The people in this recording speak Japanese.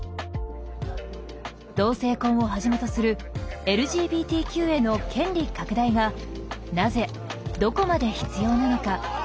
同性婚をはじめとするＬＧＢＴＱへの権利拡大がなぜどこまで必要なのか。